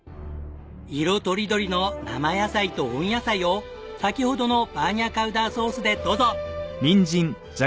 色とりどりの生野菜と温野菜を先ほどのバーニャカウダソースでどうぞ！